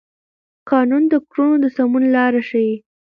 قانون د کړنو د سمون لار ښيي.